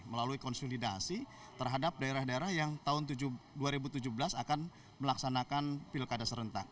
melalui konsolidasi terhadap daerah daerah yang tahun dua ribu tujuh belas akan melaksanakan pilkada serentak